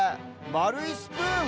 まるいスプーン？